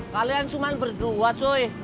kalian cuma berdua cuy